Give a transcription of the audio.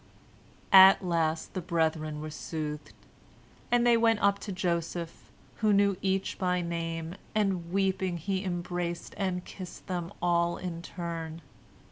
At last the brethren were soothed, and they went up to Joseph, who knew each by name, and, weeping, he embraced and kissed them all in turn.